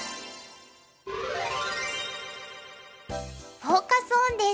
フォーカス・オンです。